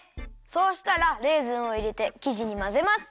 そうしたらレーズンをいれてきじにまぜます。